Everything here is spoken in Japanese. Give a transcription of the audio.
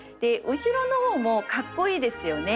後ろの方もかっこいいですよね。